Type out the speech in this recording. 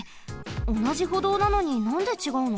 おなじほどうなのになんでちがうの？